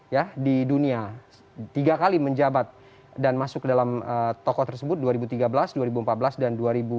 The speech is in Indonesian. ya di dunia tiga kali menjabat dan masuk ke dalam tokoh tersebut dua ribu tiga belas dua ribu empat belas dan dua ribu sembilan belas